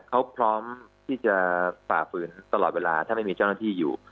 เขาพร้อมที่จะฝ่าฝืนตลอดเวลาถ้าไม่มีเจ้าหน้าที่อยู่